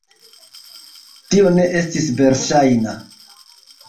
Tio ne estis verŝajna.